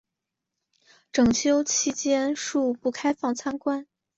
整修期间恕不开放参观